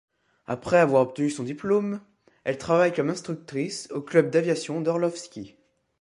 Après avoir obtenu son diplôme, elle travaille comme instructrice au club d'aviation d'Orlovski.